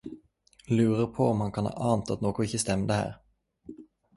Lurer på om han kan ha ant at noko ikkje stemde her.